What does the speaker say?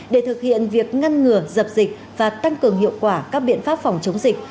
để thực hiện việc ngăn ngừa dập dịch và tăng cường hiệu quả các biện pháp phòng chống dịch